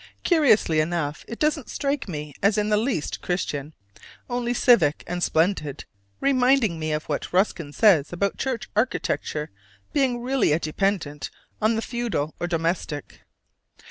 Curiously enough, it doesn't strike me as in the least Christian, only civic and splendid, reminding me of what Ruskin says about church architecture being really a dependant on the feudal or domestic.